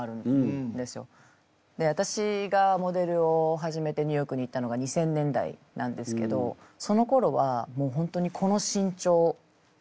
で私がモデルを始めてニューヨークに行ったのが２０００年代なんですけどそのころはもう本当にこの身長ありき。